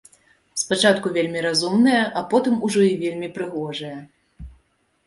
Спачатку вельмі разумная, а потым ужо і вельмі прыгожая.